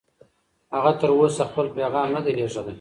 هغه تر اوسه خپل پیغام نه دی لېږلی.